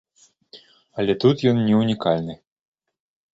Але тут ён не ўнікальны.